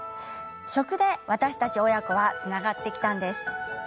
食で私たち親子はつながってきたんです。